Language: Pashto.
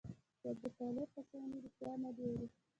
چې ابوطالب حسیني رښتیا نه دي ویلي.